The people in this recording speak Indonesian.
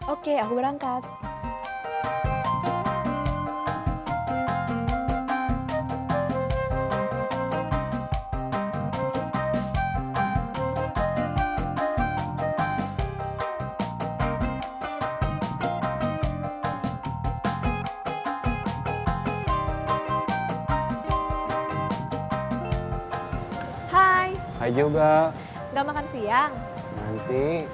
oke aku berangkat